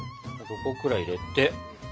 ５個くらい入れて。